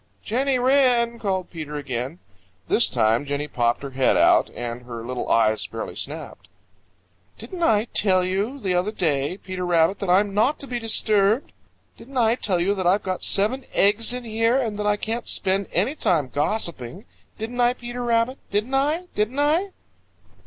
Jenny Wren!" called Peter again. This time Jenny popped her head out, and her little eyes fairly snapped. "Didn't I tell you the other day, Peter Rabbit, that I'm not to be disturbed? Didn't I tell you that I've got seven eggs in here, and that I can't spend any time gossiping? Didn't I, Peter Rabbit? Didn't I? Didn't I?"